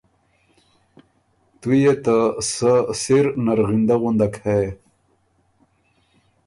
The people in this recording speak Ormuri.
تُو يې ته سۀ سِر نرغِندۀ غُندک هې!